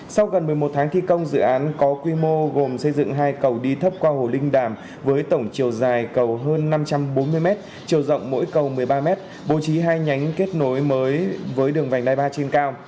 sau gần một mươi một tháng thi công dự án có quy mô gồm xây dựng hai cầu đi thấp qua hồ linh đàm với tổng chiều dài cầu hơn năm trăm bốn mươi m chiều rộng mỗi cầu một mươi ba m bố trí hai nhánh kết nối mới với đường vành đai ba trên cao